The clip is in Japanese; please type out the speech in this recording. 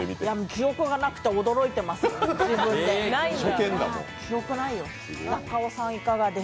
記憶なくて驚いてます、自分で。